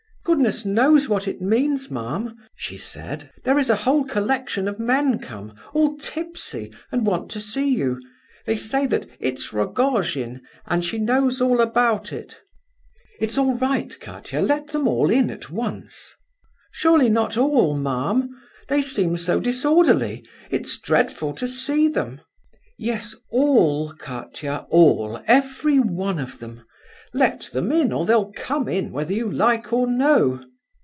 "Goodness knows what it means, ma'am," she said. "There is a whole collection of men come—all tipsy—and want to see you. They say that 'it's Rogojin, and she knows all about it.'" "It's all right, Katia, let them all in at once." "Surely not all, ma'am? They seem so disorderly—it's dreadful to see them." "Yes all, Katia, all—every one of them. Let them in, or they'll come in whether you like or no.